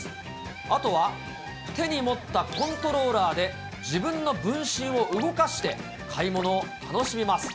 あとは手に持ったコントローラーで自分の分身を動かして、買い物を楽しみます。